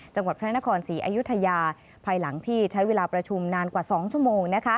จังหวัดพระนครศรีอยุธยาภายหลังที่ใช้เวลาประชุมนานกว่า๒ชั่วโมง